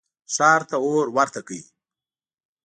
ښار ته اور ورته کئ.